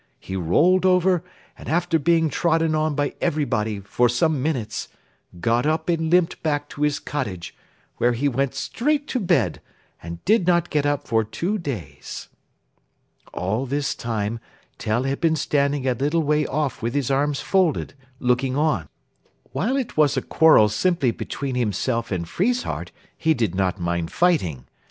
He rolled over, and after being trodden on by everybody for some minutes, got up and limped back to his cottage, where he went straight to bed, and did not get up for two days. All this time Tell had been standing a little way off with his arms folded, looking on. While it was a quarrel simply between himself and Friesshardt he did not mind fighting.